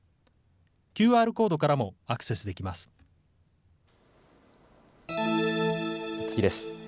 ＱＲコードからもアクセスできま次です。